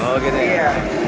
oh gitu ya iya